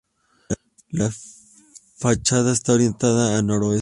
La fachada está orientada a noreste.